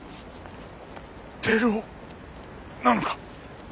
照夫なのか？